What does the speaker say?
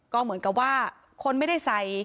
ก็เหมือนกับว่าคนไม่ได้ใส่